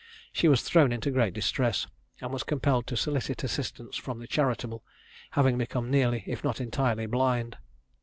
She was thrown into great distress, and was compelled to solicit assistance from the charitable, having become nearly if not entirely blind.